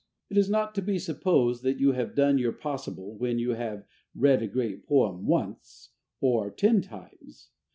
It is not to be supposed that you have done your possible when you have read a great poem once or ten times.